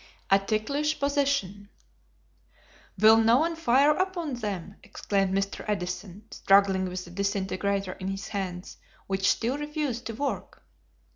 A Ticklish Position. "Will no one fire upon them?" exclaimed Mr. Edison, struggling with the disintegrator in his hands, which still refused to work.